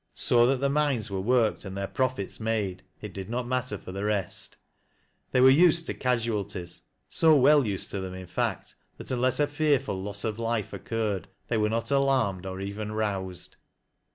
So that the mines were worked, and their profits made, it did nol matter for the rest. They were used to casualties, so well used to them in fact, that unless a fearful loss of life occurred, they were not alarmed or even roused.